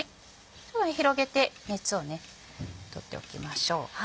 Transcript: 広げて熱を取っておきましょう。